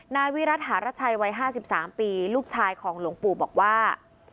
นายวิรัติหารชัยวัย๕๓ปีลูกชายของหลวงปู่บอกว่า